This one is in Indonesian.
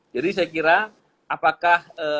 jadi saya kira apakah